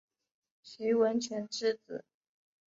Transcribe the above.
徐文铨之子。